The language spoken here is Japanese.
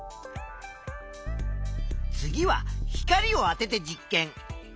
次は光をあてて実験。